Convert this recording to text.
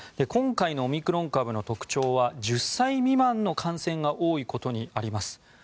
今回のオミクロン株の特徴は１０歳未満の感染が多いことにあります。